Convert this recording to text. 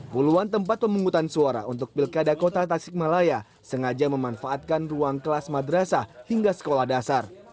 puluhan tempat pemungutan suara untuk pilkada kota tasikmalaya sengaja memanfaatkan ruang kelas madrasah hingga sekolah dasar